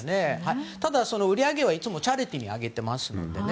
ただ、売り上げはいつもチャリティーにあげています。